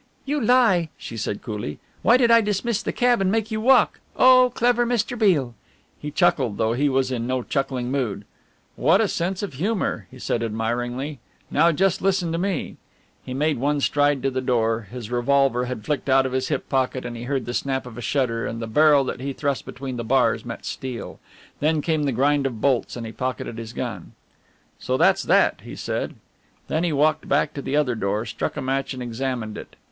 "You lie," she said coolly, "why did I dismiss the cab and make you walk? Oh, clever Mr. Beale!" He chuckled, though he was in no chuckling mood. "What a sense of humour!" he said admiringly, "now just listen to me!" He made one stride to the door, his revolver had flicked out of his hip pocket, when he heard the snap of a shutter, and the barrel that he thrust between the bars met steel. Then came the grind of bolts and he pocketed his gun. "So that's that," he said. Then he walked back to the other door, struck a match and examined it.